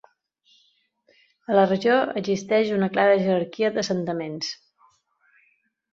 A la regió existeix una clara jerarquia d'assentaments.